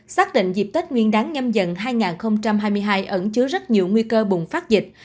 xác định dịp tết nguyên đáng nhâm dần hai nghìn hai mươi hai ẩn chứa rất nhiều nguy cơ bùng phát dịch